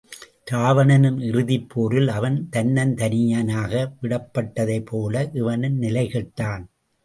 இராவணனின் இறுதிப் போரில் அவன் தன்னந்தனிய னாக விடப்பட்டதைப்போல இவனும் நிலை கெட்டான்.